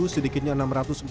sedikitnya enam ratus orang